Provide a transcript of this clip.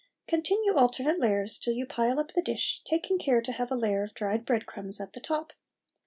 Continue alternate layers till you pile up the dish, taking care to have a layer of dried bread crumbs at the top.